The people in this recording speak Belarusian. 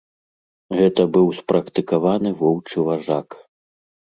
Гэта быў спрактыкаваны воўчы важак.